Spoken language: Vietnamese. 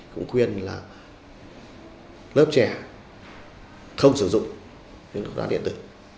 cũng khuyên là lớp trẻ không sử dụng những thuốc lá điện tử